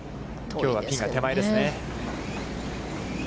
きょうはピンが手前ですね。